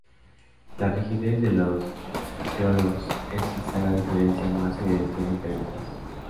La rigidez de los foliolos es quizá la diferencia más evidente entre ambas.